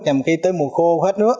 nhằm khi tới mùa khô hết nước